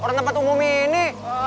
orang tempat umum ini